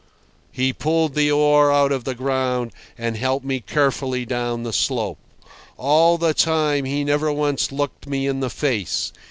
He pulled the oar out of the ground and helped me carefully down the slope. All the time he never once looked me in the face.